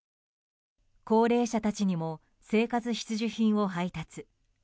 高齢者たちにも生活必需品を配達。